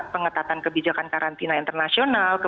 pengetatan kebijakan karantina internasional